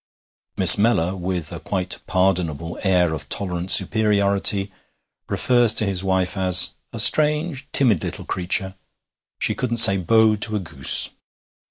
Miss Mellor, with a quite pardonable air of tolerant superiority, refers to his wife as 'a strange, timid little creature she couldn't say Bo to a goose.'